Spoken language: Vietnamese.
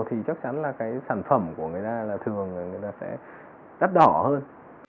thì chắc chắn là cái sản phẩm của người ta là thường người ta sẽ đắt đỏ hơn